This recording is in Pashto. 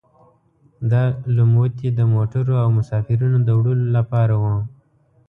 دا لوموتي د موټرونو او مسافرینو د وړلو لپاره وو.